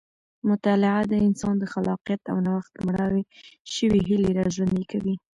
مطالعه د انسان د خلاقیت او نوښت مړاوې شوې هیلې راژوندۍ کوي.